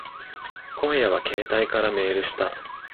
今夜は携帯からメールした。